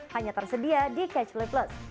hanya tersedia di catch play plus